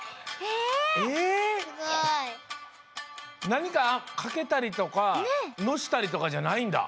なにかかけたりとかのしたりとかじゃないんだ。